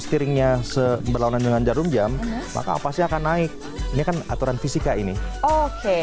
steeringnya seberlawanan dengan jarum jam maka pasti akan naik ini kan aturan fisika ini oke